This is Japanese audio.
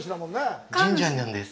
神社なんです。